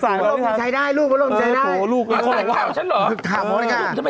สายลมมันใช้ได้ลูกมันล่มมันใช้ได้